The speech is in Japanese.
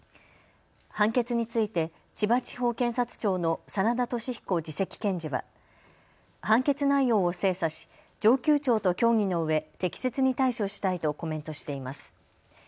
判決について千葉地方検察庁の眞田寿彦次席検事は判決内容を精査し上級庁と協議のうえ適切に対処したいとコメントしています。